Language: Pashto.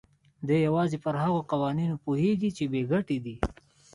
دی يوازې پر هغو قوانينو پوهېږي چې بې ګټې دي.